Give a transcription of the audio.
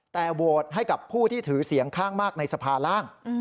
แต่โหวตให้กับผู้ที่ถือเสียงข้างมากในสภาร่าง